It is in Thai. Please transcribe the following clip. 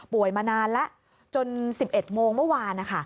มานานแล้วจน๑๑โมงเมื่อวาน